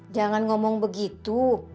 jangan ngomong begitu